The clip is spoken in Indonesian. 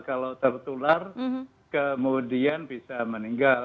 kalau tertular kemudian bisa meninggal